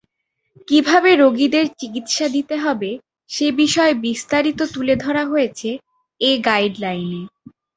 কিভাবে রোগীদের চিকিৎসা দিতে হবে সে বিষয়ে বিস্তারিত তুলে ধরা হয়েছে এই গাইডলাইনে।